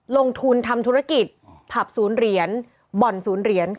ลงทุนทำธุรกิจผับศูนย์เหรียญบ่อนศูนย์เหรียญ